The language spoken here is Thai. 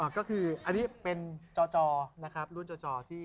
ก็คืออันนี้เป็นจอนะครับรุ่นจอที่